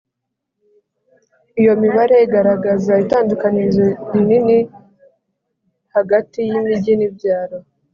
iyo mibare iragaragaza itandukanirizo rinini hagati y'imijyi n'ibyaro,